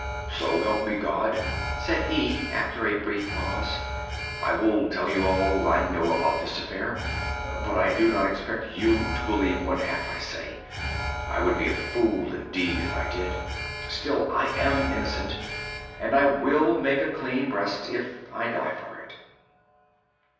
"So help me God!" said he, after a brief pause, "I will tell you all I know about this affair;—but I do not expect you to believe one half I say—I would be a fool indeed if I did. Still, I am innocent, and I will make a clean breast if I die for it."